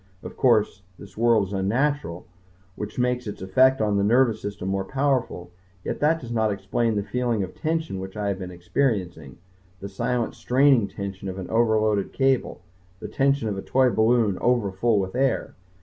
Of course, this world is unnatural, which makes its effect on the nervous system more powerful, yet that does not explain the feeling of tension which I have been experiencing, the silent straining tension of an overloaded cable, the tension of a toy balloon overfull with air.